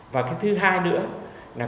và thứ hai nữa